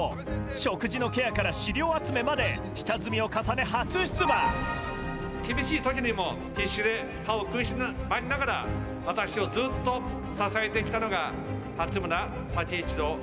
食事のケアから資料集めまで、下積みを重ね、厳しいときにも、必死で歯を食いしばりながら、私をずっと支えてきたのが、初村滝一郎。